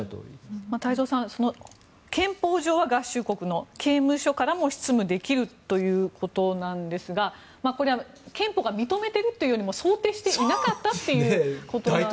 太蔵さん、憲法上は刑務所からも執務ができるということですがこれは憲法が認めているというよりも想定していなかったということなんでしょうかね。